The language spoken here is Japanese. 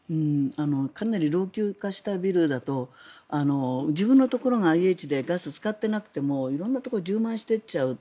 かなり老朽化したビルだと自分のところがＩＨでガスを使っていなくても色んなところに充満していっちゃう。